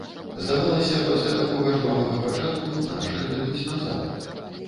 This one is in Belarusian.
Здавалася, пасля такога жвавага пачатку нашы адыдуць назад.